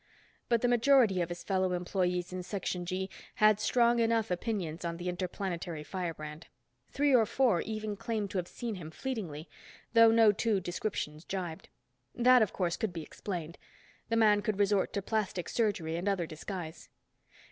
But the majority of his fellow employees in Section G had strong enough opinions on the interplanetary firebrand. Three or four even claimed to have seen him fleetingly, although no two descriptions jibed. That, of course, could be explained. The man could resort to plastic surgery and other disguise.